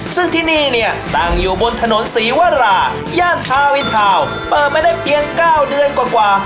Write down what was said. ซึ่งที่นี่เนี่ยตั้งอยู่บนถนนศรีวราย่านทาวินทาวน์เปิดมาได้เพียง๙เดือนกว่า